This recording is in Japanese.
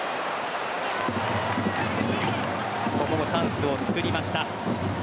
ここもチャンスをつくりました。